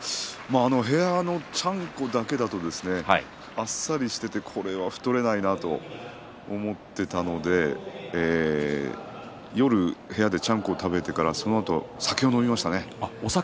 部屋のちゃんこだけだとあっさりしていてこれは太れないなと思っていたので夜、部屋でちゃんこを食べてから酒を飲みましたね。